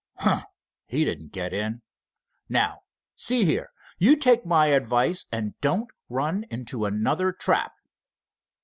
"Humph! he didn't get in. Now see here, you take my advice and don't run into another trap."